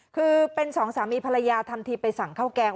คือเป็นสองสามีภรรยาทำทีไปสั่งข้าวแกง